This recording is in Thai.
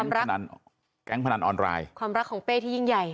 พนันแก๊งพนันออนไลน์ความรักของเป้ที่ยิ่งใหญ่